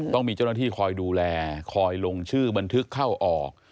ต้องมีเจ้าหน้าที่คอยดูแลคอยลงชื่อบันทึกเข้าออก